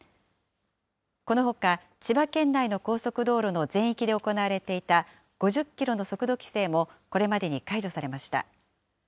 このほか千葉県内の高速道路の全域で行われていた５０キロの速度規制も、これまでに解除されました。